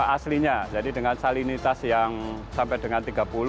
aslinya jadi dengan salinitas yang sampai dengan tiga puluh